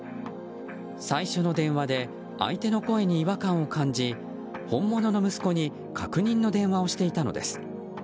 最初の電話で相手の声に違和感を感じ本物の息子に確認の電話をしていたのです。